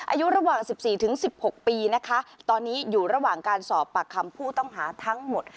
อายุระหว่าง๑๔๑๖ปีนะคะตอนนี้อยู่ระหว่างการสอบปากคำผู้ต้องหาทั้งหมด